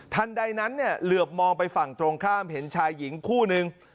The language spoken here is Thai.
ใดนั้นเนี่ยเหลือบมองไปฝั่งตรงข้ามเห็นชายหญิงคู่นึง